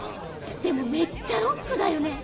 でもめっちゃロックだよね。